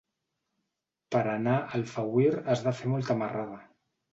Per anar a Alfauir has de fer molta marrada.